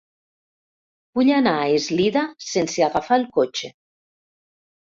Vull anar a Eslida sense agafar el cotxe.